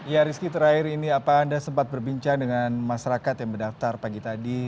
ya rizky terakhir ini apa anda sempat berbincang dengan masyarakat yang mendaftar pagi tadi